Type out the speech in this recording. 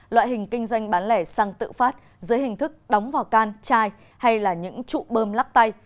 loại hình kinh doanh bán lẻ xăng tự phát dưới hình thức đóng vào can chai hay là những trụ bơm lắc tay